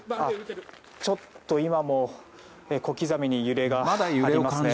ちょっと今も小刻みに揺れていますね。